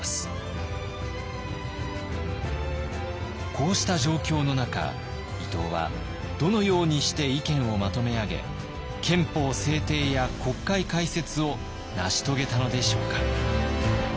こうした状況の中伊藤はどのようにして意見をまとめ上げ憲法制定や国会開設を成し遂げたのでしょうか。